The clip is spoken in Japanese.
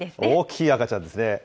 大きい赤ちゃんですね。